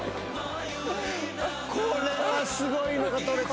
これはすごいのが撮れた。